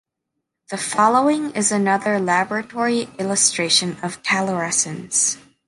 The following is another laboratory illustration of calorescence.